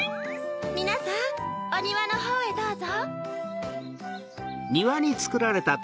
みなさんおにわのほうへどうぞ。